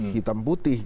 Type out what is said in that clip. hitam putih gitu